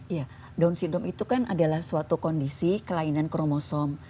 iya down syndrome itu kan adalah suatu kondisi kelainan kromosom